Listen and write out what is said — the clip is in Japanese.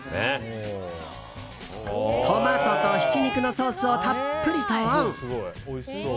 トマトとひき肉のソースをたっぷりとオン。